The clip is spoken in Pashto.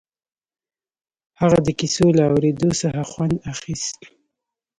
هغه د کيسو له اورېدو څخه خوند اخيست.